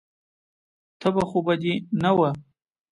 تبه خو به دې نه وه.